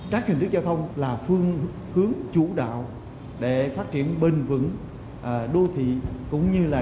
các hình thức giao thông là phương hướng chủ đạo để phát triển bền vững đô thị cũng như là